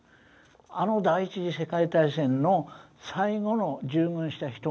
あの第１次世界大戦の最後の従軍した人が死んだと。